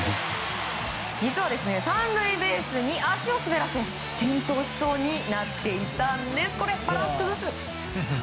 実は、３塁ベースに足を滑らせ転倒しそうになっていたんです。